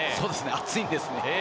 暑いんですね。